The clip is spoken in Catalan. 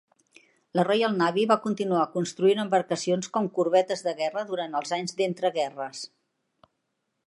La Royal Navy va continuar construint embarcacions com corbetes de guerra durant els anys d'entreguerres.